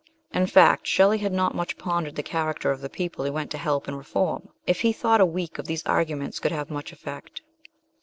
In fact, Shelley had not much pondered the character of the people he went to help and reform, if he thought a week of these arguments could have much effect.